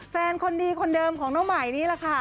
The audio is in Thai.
แฟนคนดีคนเดิมของหน้าไหมนี่แหละค่ะ